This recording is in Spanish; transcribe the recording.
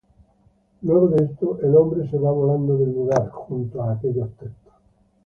Luego de esto, el hombre se va volando del lugar junto a aquellos textos.